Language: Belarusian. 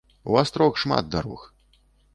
У астрог шмат дарог